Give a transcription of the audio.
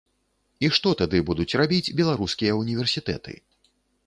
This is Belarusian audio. І што тады будуць рабіць беларускія ўніверсітэты?